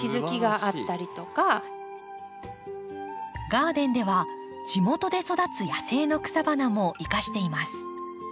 ガーデンでは地元で育つ野生の草花も生かしています。